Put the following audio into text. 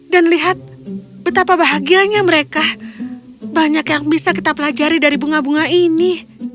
dan lihat betapa bahagianya mereka banyak yang bisa kita pelajari dari bunga bunga ini